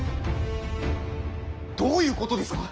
どういうことですか？